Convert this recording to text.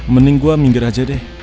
mending gua minggir aja deh